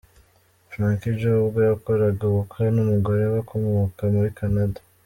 Frankie Joe ubwo yakoraga ubukwe n’umugore we ukomoka muri Canada.